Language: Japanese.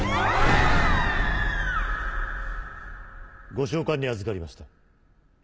ご召喚に預かりました。